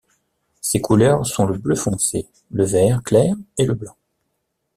Ses couleurs sont le bleu foncé, le vert clair et le blanc.